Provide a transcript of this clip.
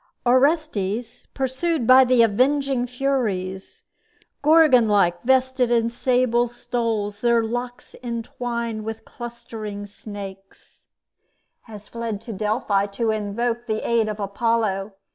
Orestes, pursued by the avenging Furies, "Gorgon like, vested in sable stoles, their locks entwined with clustering snakes," has fled to Delphi to invoke the aid of Apollo.